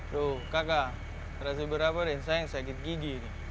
tuh kakak terasa berapa deh sayang sakit gigi nih